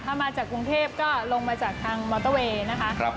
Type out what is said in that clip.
ถ้ามาจากกรุงเทพก็ลงมาจากทางมอเตอร์เวย์นะคะ